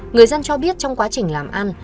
người dân cho biết trong quá trình làm ăn